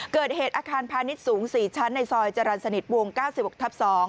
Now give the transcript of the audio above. เกิดเหตุอาคารพาณิชย์สูง๔ชั้นในซอยจรรย์สนิทวง๙๖ทับ๒